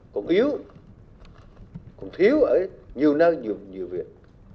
còn yếu còn thiếu ở nhiều nơi nhiều việc